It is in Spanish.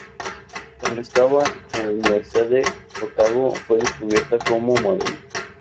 Cuando estaba en la Universidad de Otago fue descubierta como modelo.